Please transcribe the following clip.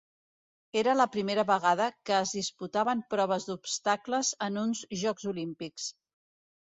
Era la primera vegada que es disputaven proves d'obstacles en uns Jocs Olímpics.